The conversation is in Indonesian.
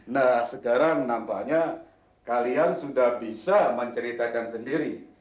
nah sekarang nampaknya kalian sudah bisa menceritakan sendiri